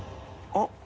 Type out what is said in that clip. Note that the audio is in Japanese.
あっ。